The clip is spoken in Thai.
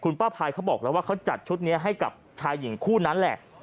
ป้าพายเขาบอกแล้วว่าเขาจัดชุดนี้ให้กับชายหญิงคู่นั้นแหละ